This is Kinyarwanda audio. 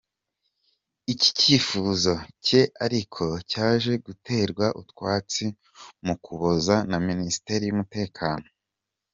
Iki cyifuzo cye ariko cyaje guterwa utwatsi mu Ukuboza na Minisiteri y’Umutekano.